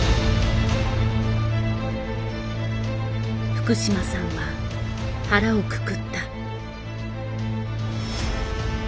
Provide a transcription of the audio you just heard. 福島さんは腹をくくった。